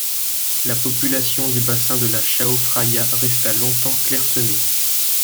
La population du bassin de la Chao Phraya resta longtemps clairsemée.